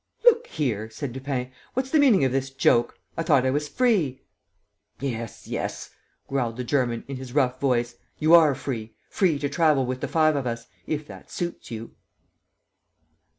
"Look here," said Lupin, "what's the meaning of this joke? I thought I was free!" "Yes, yes," growled the German, in his rough voice, "you are free ... free to travel with the five of us ... if that suits you."